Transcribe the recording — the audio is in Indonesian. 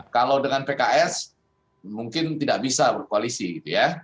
kalau dengan pks mungkin tidak bisa berkoalisi gitu ya